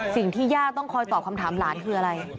สิ่งที่ย่าต้องคอยตอบคำถามหลานคืออะไร